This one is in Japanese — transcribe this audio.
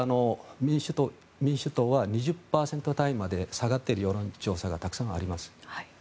民主党は２０％台まで下がっている世論調査がたくさんあります。